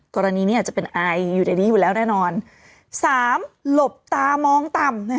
กรณีนี้อาจจะเป็นไออยู่ในนี้อยู่แล้วแน่นอนสามหลบตามองต่ำ